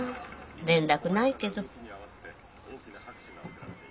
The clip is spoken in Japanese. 連絡ないけど。